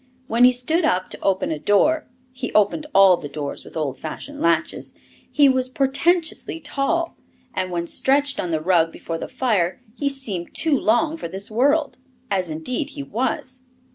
When he stood up to open a door he opened all the doors with old fashioned latches he was portentously tall, and when stretched on the rug before the fire he seemed too long for this world as indeed he was.